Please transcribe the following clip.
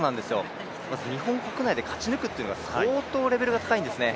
まず日本国内で勝ち抜くというのが相当レベルが高いんですね。